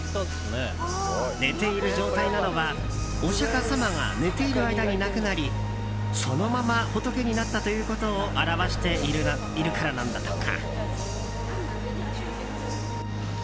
寝ている状態なのは、お釈迦様が寝ている間に亡くなりそのまま仏になったということを表しているからなんだとか。